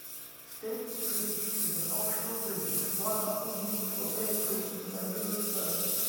Status prefix is an optional prefix not often used for vehicles in regular service.